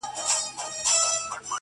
موده مخکي چي دي مړ سپین ږیری پلار دئ،